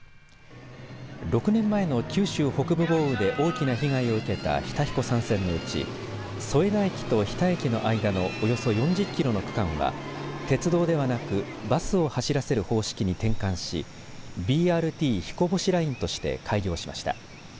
６年前の九州北部豪雨で大きな被害を受けた日田彦山線のうち添田駅と日田駅の間のおよそ４０キロの区間は鉄道ではなくバスを走らせる方式に転換しＢＲＴひこぼしラインとして開業しました。